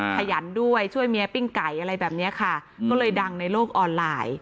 ขยันด้วยช่วยเมียปิ้งไก่อะไรแบบนี้ค่ะก็เลยดังในโลกออนไลน์